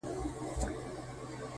• د نعمتونو پکښي رودونه ,